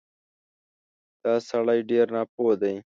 دا سړی ډېر ناپوه دی